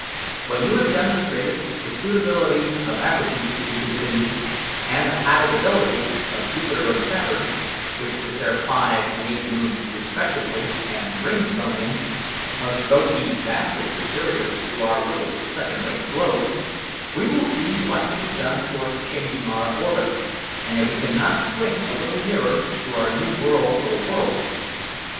When you have demonstrated the suitability of apergy," he continued, "and the habitability of Jupiter and Saturn ,which, with their five and eight moons, respectively, and rings thrown in, must both be vastly superior to our little second rate globe we will see what can be done towards changing our orbit, and if we cannot swing a little nearer to our new world or worlds.